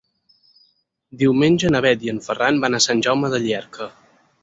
Diumenge na Bet i en Ferran van a Sant Jaume de Llierca.